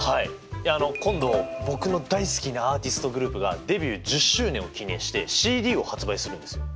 いやあの今度僕の大好きなアーティストグループがデビュー１０周年を記念してＣＤを発売するんですよ！